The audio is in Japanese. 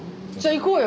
行こうよ！